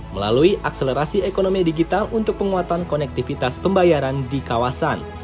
melalui akselerasi ekonomi digital untuk penguatan konektivitas pembayaran di kawasan